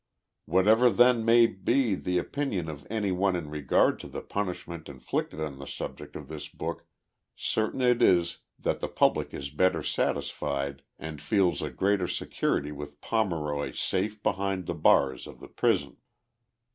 „« Whatever then may be the opinion of any one in regard to the punishment inflicted on the subject of this book certain it is that the public is better satisfied and feels a greater security with Pomeroy safe behind the bars of the prison.